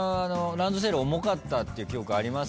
ランドセル重かったっていう記憶あります？